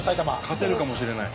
勝てるかもしれない。